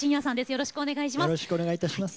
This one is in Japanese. よろしくお願いします。